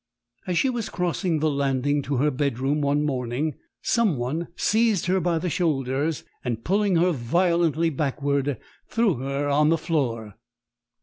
"As she was crossing the landing to her bedroom one morning, some one seized her by her shoulders, and, pulling her violently backwards, threw her on the floor.